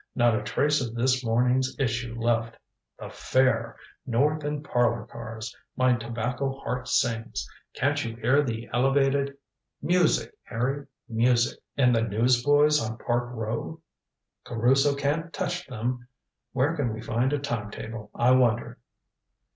Not a trace of this morning's issue left. The fare! North in parlor cars! My tobacco heart sings. Can't you hear the elevated " "Music, Harry, music." "And the newsboys on Park Row " "Caruso can't touch them. Where can we find a time table, I wonder?"